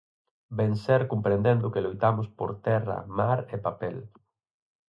Vencer comprendendo que loitamos por terra, mar e papel.